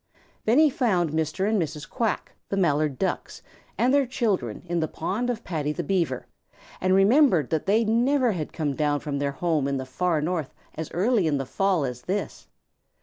Then he found Mr. and Mrs. Quack, the Mallard Ducks, and their children in the pond of Paddy the Beaver and remembered that they never had come down from their home in the Far North as early in the fall as this.